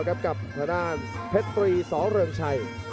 ข้างหน้าเพชรตรีสเริ่มชัย